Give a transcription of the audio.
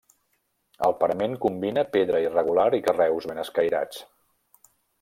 El parament combina pedra irregular i carreus ben escairats.